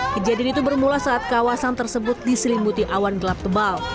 kejadian itu bermula saat kawasan tersebut diselimuti awan gelap tebal